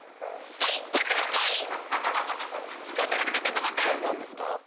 えっ何ですか？